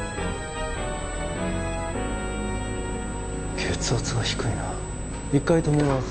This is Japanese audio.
血圧が低いな一回止めます